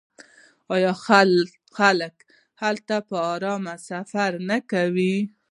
آیا خلک هلته په ارامۍ سفر نه کوي؟